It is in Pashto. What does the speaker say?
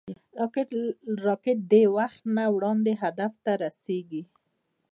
راکټ د وخت نه وړاندې هدف ته رسېږي